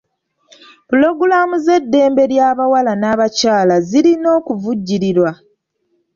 Pulogulaamu z'eddembe ly'abawala n'abakyala zirina okuvujjirirwa.